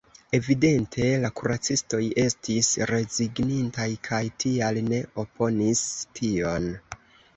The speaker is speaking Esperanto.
Evidente la kuracistoj estis rezignintaj kaj tial ne oponis tion.